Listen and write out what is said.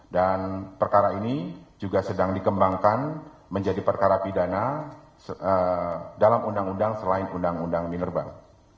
dan perkara ini juga sedang dikembangkan menjadi perkara pidana dalam undang undang selain undang undang minerbang